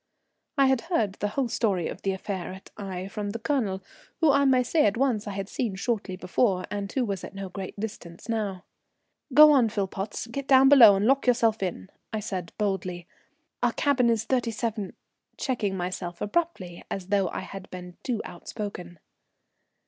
I had heard the whole story of the affair at Aix from the Colonel, who I may say at once I had seen shortly before, and who was at no great distance now. "Go on, Philpotts, get down below and lock yourself in," I said boldly. "Our cabin is thirty seven " checking myself abruptly as though I had been too outspoken.